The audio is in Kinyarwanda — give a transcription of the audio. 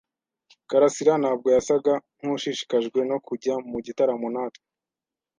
karasira ntabwo yasaga nkushishikajwe no kujya mu gitaramo natwe.